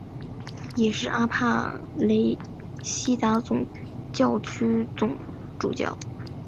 也是阿帕雷西达总教区总主教。